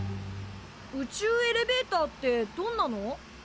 宇宙エレベーターってどんなの？